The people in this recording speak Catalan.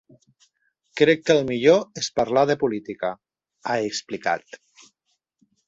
Crec que el millor és parlar de política, ha explicat.